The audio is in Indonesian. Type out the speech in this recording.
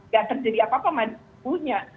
gak terjadi apa apa madunya